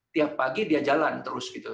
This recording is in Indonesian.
tiap pagi dia jalan terus gitu